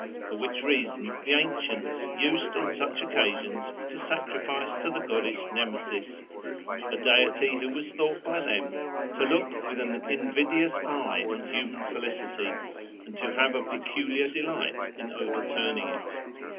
For which reason the antients used, on such occasions, to sacrifice to the goddess Nemesis, a deity who was thought by them to look with an invidious eye on human felicity, and to have a peculiar delight in overturning it.